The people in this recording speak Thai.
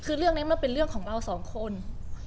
คือเรื่องนี้มันเป็นเรื่องจะเป็นเรื่องของเราสองคน